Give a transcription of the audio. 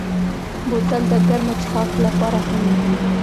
بوتل د ګرمو څښاکو لپاره هم وي.